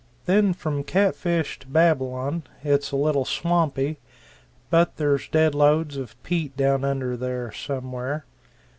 Then from Catfish to Babylon it's a little swampy, but there's dead loads of peat down under there somewhere.